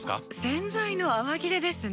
洗剤の泡切れですね。